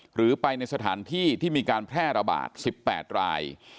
หรือไปในสถานที่ที่มีการแพร่ระบาด๑๘ราย